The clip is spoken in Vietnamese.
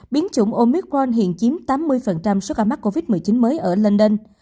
biến chủng omicron hiện chiếm tám mươi số ca mắc covid một mươi chín mới ở london